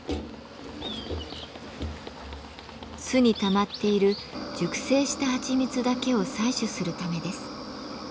巣にたまっている熟成したはちみつだけを採取するためです。